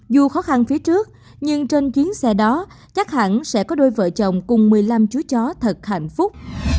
dù khó khăn phía trước nhưng trên chuyến xe đó chắc hẳn sẽ có đôi vợ chồng cùng một mươi năm chú chó thật hạnh phúc